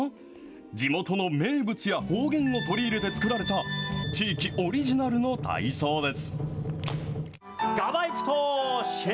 地元の名物や方言を取り入れて作られた、地域オリジナルの体操です。